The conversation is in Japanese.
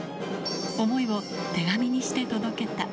思いを手紙にして届けた。